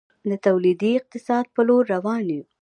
د تولیدي اقتصاد په لور روان یو؟